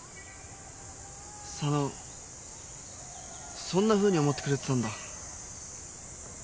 佐野そんなふうに思ってくれてたんだ。